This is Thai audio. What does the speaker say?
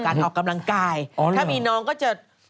ออกกำลังกายถ้ามีน้องก็จะ